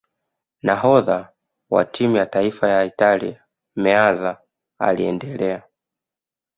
nahodha wa timu ya taifa Italia meazza aliendelea